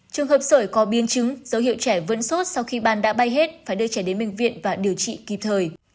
trường hợp sởi có biến chứng dấu hiệu trẻ vẫn sốt sau khi ban đã bay hết phải đưa trẻ đến bệnh viện và điều trị kịp thời